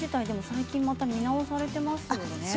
最近また見直されていますよね。